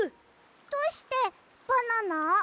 どうしてバナナ？